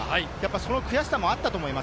その悔しさもあったと思います。